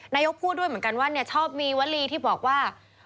นายกพูดด้วยเหมือนกันว่าชอบมีวลีที่บอกว่า